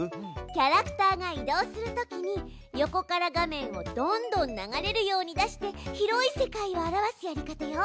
キャラクターが移動するときに横から画面をどんどん流れるように出して広い世界を表すやり方よ。